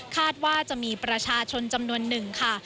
คาดว่าจะมีประชาชนจำนวน๑ค่ะ